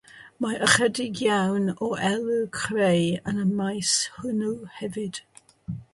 Mae ychydig iawn o olew crai yn y maes hwn hefyd.